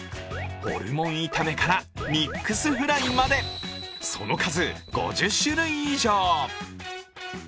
ホルモン炒めからミックスフライまで、その数５０種類以上。